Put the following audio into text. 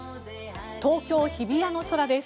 東京・日比谷の空です。